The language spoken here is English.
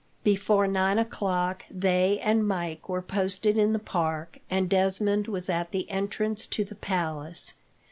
Before nine o'clock, they and Mike were posted in the park, and Desmond was at the entrance to the palace.